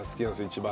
一番。